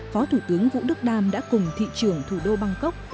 phó thủ tướng vũ đức đam đã cùng thị trưởng thủ đô bangkok